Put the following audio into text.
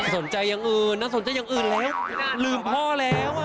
อย่างอื่นน่าสนใจอย่างอื่นแล้วลืมพ่อแล้ว